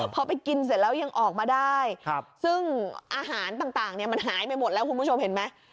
พอไปกินเสร็จแล้วยังออกมาได้ซึ่งอาหารต่างมันหายไปหมดแล้วคุณผู้ชมเห็นไหม